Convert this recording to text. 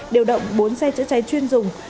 điều động bốn xe chữa cháy chuyên dùng